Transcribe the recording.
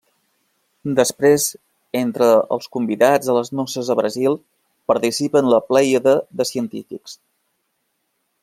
Després entre els convidats a les noces a Brasil, participen la plèiade de científics.